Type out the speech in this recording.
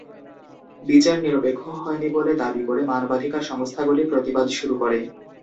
বিচার নিরপেক্ষ হয়নি বলে দাবি করে মানবাধিকার সংস্থাগুলি প্রতিবাদ শুরু করে।